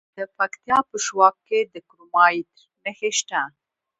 د پکتیا په شواک کې د کرومایټ نښې شته.